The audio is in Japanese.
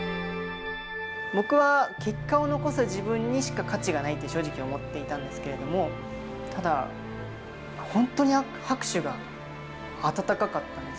僕は結果を残す自分にしか価値がないって正直思っていたんですけど、ただ、本当に拍手が温かかったんです。